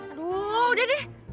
aduh udah deh